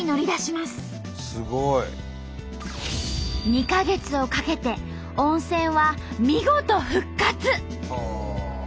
すごい！２か月をかけて温泉は見事復活！